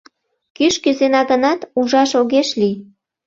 Кӱш кузена гынат, ужаш огеш лий